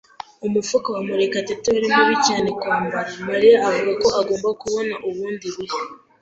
Umufuka wa Murekatete wari mubi cyane kwambara, Mariya avuga ko agomba kubona bundi bushya.